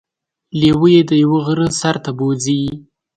لیوه يې د یوه غره سر ته بوځي.